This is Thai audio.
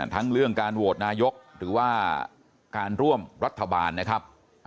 ทั้งเรื่องการโหวตนายกหรือว่าการร่วมรัฐบาลนะครับ